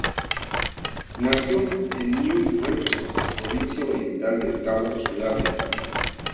Nació en New Brighton, Provincia Oriental del Cabo, Sudáfrica.